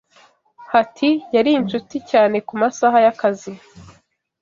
Hati yari inshuti cyane kumasaha yakazi